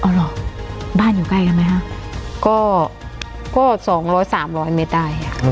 อ๋อหรอบ้านอยู่ใกล้กันไหมฮะก็ก็ส่งรถสามร้อยเมตรได้อ่ะ